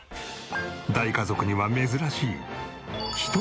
大家族には珍しい。